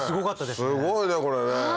すごいねこれね。